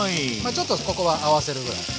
ちょっとここは合わせるぐらい。